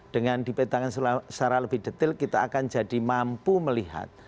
dengan dipetakan secara lebih detail kita akan jadi mampu melihat